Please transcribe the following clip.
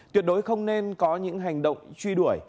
tuyệt đối không nên có những hành động truy đuổi